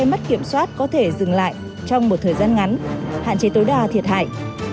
mất kiểm soát có thể dừng lại trong một thời gian ngắn hạn chế tối đa thiệt hại